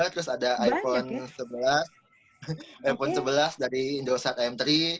terus ada iphone sebelas dari indosat m tiga